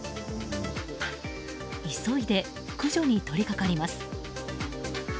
急いで駆除に取り掛かります。